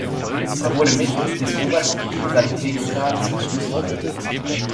Er wurde Mitglied des Obersten Sanitätsrats für Österreich.